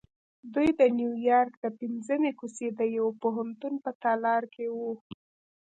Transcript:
دوی د نیویارک د پنځمې کوڅې د یوه پوهنتون په تالار کې وو